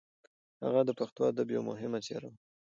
هغه د پښتو ادب یو مهم څېره وه.